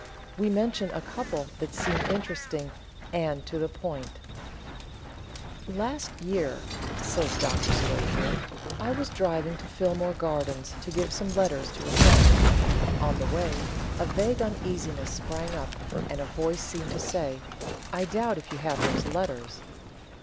We mention a couple that seem interesting and to the point: "Last year," says Dr. Schofield, "I was driving to Phillmore Gardens to give some letters to a friend. On the way, a vague uneasiness sprang up, and a voice seemed to say, 'I doubt if you have those letters.'